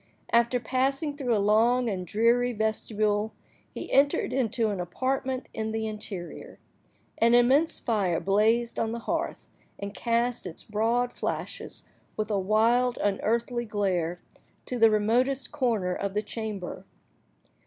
After passing through a long and dreary vestibule, he entered into an apartment in the interior. An immense fire blazed on the hearth, and cast its broad flashes with a wild, unearthly glare, to the remotest corner of the chamber.